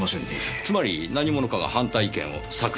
つまり何者かが反対意見を削除した。